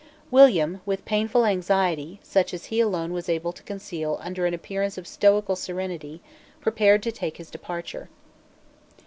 William, with painful anxiety, such as he alone was able to conceal under an appearance of stoical serenity, prepared to take his departure.